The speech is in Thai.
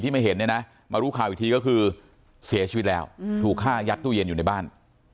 ไม่เห็นเนี่ยนะมารู้ข่าวอีกทีก็คือเสียชีวิตแล้วถูกฆ่ายัดตู้เย็นอยู่ในบ้าน